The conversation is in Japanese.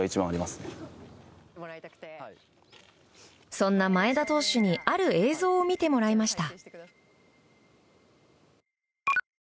そんな前田投手にある映像を見てもらいました。